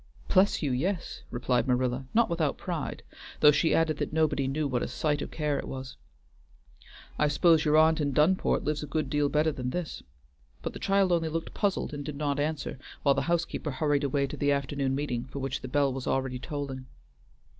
"Bless you, yes!" replied Marilla, not without pride, though she added that nobody knew what a sight of care it was. "I suppose y'r aunt in Dunport lives a good deal better than this;" but the child only looked puzzled and did not answer, while the housekeeper hurried away to the afternoon meeting, for which the bell was already tolling.